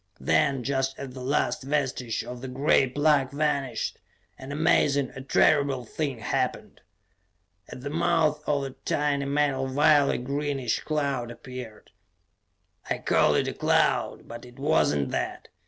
Then, just as the last vestige of the gray plug vanished; an amazing, a terrible thing happened. At the mouth of the tiny metal vial a greenish cloud appeared. I call it a cloud, but it was not that.